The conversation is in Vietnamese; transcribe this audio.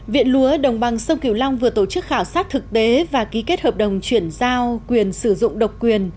viện lúa đồng bằng sông kiều long vừa tổ chức khảo sát thực tế và ký kết hợp đồng chuyển giao quyền sử dụng độc quyền